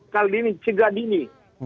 kaldini cegah dini